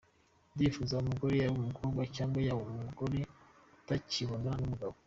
Ndifuza umugore yaba umukombwa cg yaba umugore utakibana numugabo!.